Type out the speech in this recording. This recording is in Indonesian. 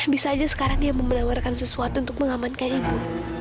bisa aja sekarang dia menawarkan sesuatu untuk mengamankan ibu